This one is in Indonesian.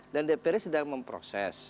dan dprd sedang memproses